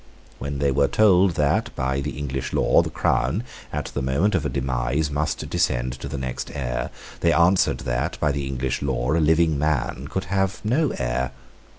When they were told that, by the English law, the crown, at the moment of a demise, must descend to the next heir, they answered that, by the English law, a living man could have no heir.